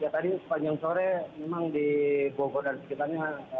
ya tadi sepanjang sore memang di bogor dan sekitarnya